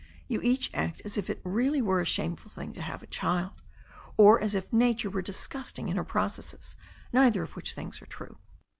You each act as if it really were a shameful thing to have a child, or as if nature were disgusting in her processes, neither of which things is true.